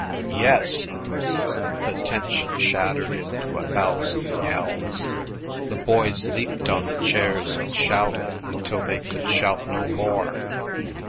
"Yes!" The tension shattered into a thousand yells. The boys leaped on the chairs and shouted until they could shout no more.